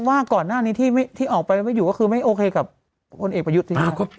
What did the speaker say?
ว่าก่อนหน้านี้ที่ออกไปแล้วไม่อยู่ก็คือไม่โอเคกับพลเอกประยุทธ์จริง